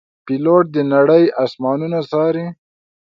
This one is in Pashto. پیلوټ د نړۍ آسمانونه څاري.